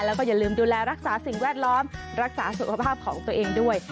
แล้วก็อย่าลืมดูแลรักษาสิ่งแวดล้อมรักษาสุขภาพของตัวเองด้วย